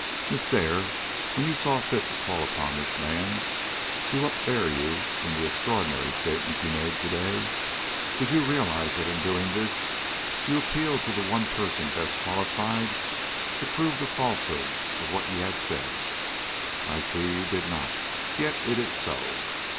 Miss Dare, when you saw fit to call upon this man to upbear you in the extraordinary statements you made to day, did you realize that in doing this you appealed to the one person best qualified to prove the falsehood of what you had said? I see you did not; yet it is so.